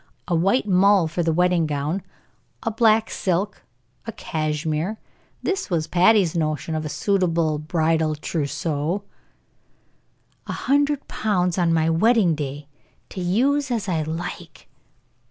A white mull for the wedding gown, a black silk, a cashmere. This was Patty's notion of a suitable bridal trousseau! "A hundred pounds on my wedding day to use as I like."